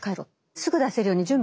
すぐ出せるように準備しとけ。